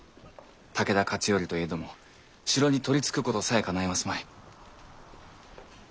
武田勝頼といえども城に取りつくことさえかないますまい。